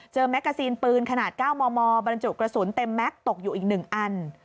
แมกกาซีนปืนขนาด๙มมบรรจุกระสุนเต็มแม็กซ์ตกอยู่อีก๑อัน